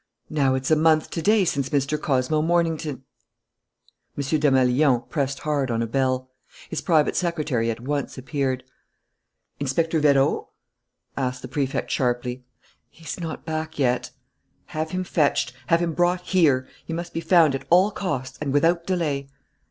Now it's a month to day since Mr. Cosmo Mornington " M. Desmalions pressed hard on a bell. His private secretary at once appeared. "Inspector Vérot?" asked the Prefect sharply. "He's not back yet." "Have him fetched! Have him brought here! He must be found at all costs and without delay."